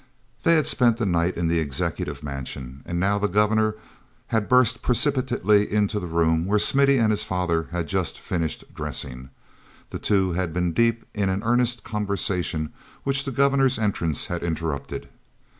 They had spent the night in the executive mansion, and now the Governor had burst precipitately into the room where Smithy and his father had just finished dressing. The two had been deep in an earnest conversation which the Governor's entrance had interrupted.